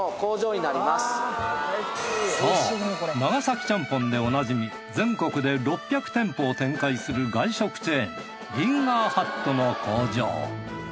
そう長崎ちゃんぽんでおなじみ全国で６００店舗を展開する外食チェーンリンガーハットの工場。